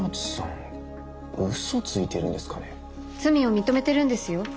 罪を認めてるんですよ